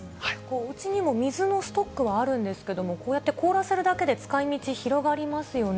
うちにも水のストックはあるんですけれども、こうやって凍らせるだけで、使いみち、広がりますよね。